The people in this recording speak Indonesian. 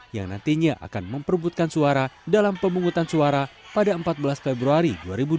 yang nantinya akan memperbutkan suara dalam pemungutan suara pada empat belas februari dua ribu dua puluh